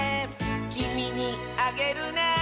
「きみにあげるね」